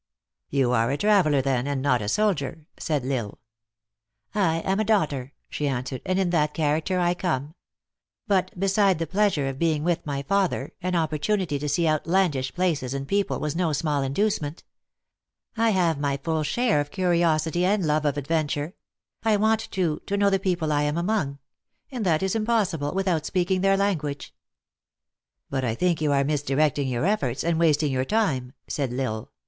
" You are a traveler, then, and not a soldier," said L Isle. "I am a daughter," she answered, "and in that character I come. But, beside the pleasure of being with my father, an opportunity to see outlandish places and people was no small inducement. I have my full share of curiosity and love of adventure ; I want, too, to know the people I am among ; and that is impossible, without speaking their language." " But I think you are misdirecting your eiforts, and wasting your time," said L Isle.